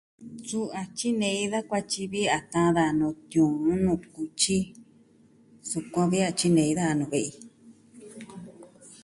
Suu a tyinei da kuatyi vi a taan daja nuu tiuun, nuu kutyi. Sukuan vi a tyinei daja nuu ve'i.